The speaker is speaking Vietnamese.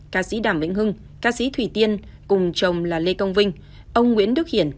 ca sĩ đàm vĩnh hưng ca sĩ thủy tiên cùng chồng là lê công vinh ông nguyễn đức hiển